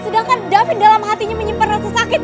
sedangkan david dalam hatinya menyimpan rasa sakit